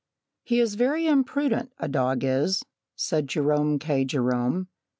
"He is very imprudent, a dog is," said Jerome K. Jerome.